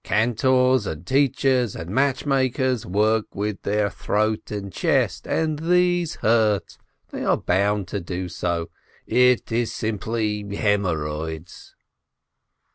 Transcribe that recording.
Cantors and teachers and match makers work with their throat and chest, and these hurt, they are bound to do so. It is simply hemorrhoids."